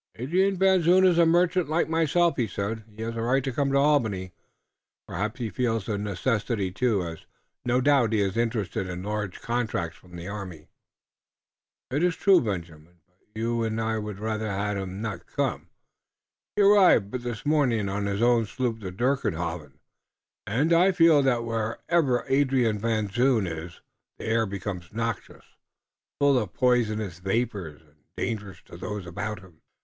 "Adrian Van Zoon is a merchant like myself," he said. "He has a right to come to Albany. Perhaps he feels the necessity, too, as no doubt he is interested in large contracts for the army." "It iss true, Benjamin, but you und I would rather he had not come. He arrived but this morning on his own sloop, the Dirkhoeven, und I feel that wherever Adrian Van Zoon iss the air becomes noxious, full of poisonous vapors und dangerous to those about him."